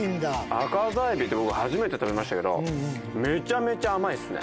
赤座海老って、僕、初めて食べましたけど、めちゃめちゃ甘いですね。